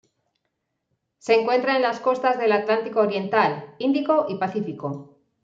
Se encuentra en las costas del Atlántico oriental, Índico y Pacífico.